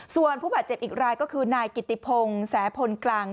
ส่วนผู้แผ่นเจ็บอีกรายนายกิตติพงสวนแผนกลาง